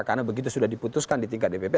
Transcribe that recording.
karena begitu sudah diputuskan di tingkat dpp